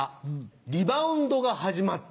リバウンドが始まった。